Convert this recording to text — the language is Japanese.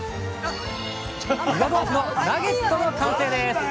岩豆腐のナゲットの完成です！